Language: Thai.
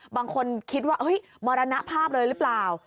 บางคนคิดว่ามรณภาพเลยหรือเปล่า